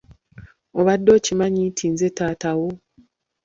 Obadde okimanyi nti nze taata wo?